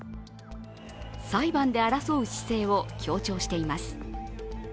裁判で争う姿勢を強調しています。